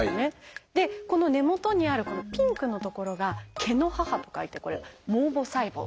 でこの根元にあるこのピンクの所が「毛」の「母」と書いてこれは「毛母細胞」。